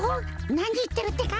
なにいってるってか？